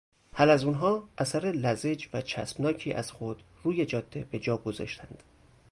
حلزونها اثر لزج و چسبناکی از خود روی جاده به جا گذاشتند.